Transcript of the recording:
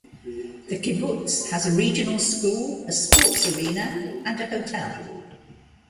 The kibbutz has a regional school, a sports arena and a hotel.